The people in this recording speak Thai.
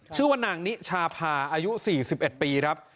ชื่อว่านางนิชาพาอายุสี่สิบเอ็ดปีครับ